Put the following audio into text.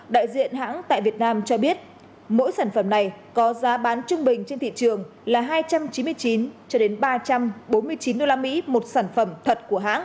đại diện hãng tại việt nam cho biết mỗi sản phẩm này có giá bán trung bình trên thị trường là hai trăm chín mươi chín ba trăm bốn mươi chín usd một sản phẩm